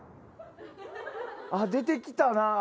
あっ出てきたな。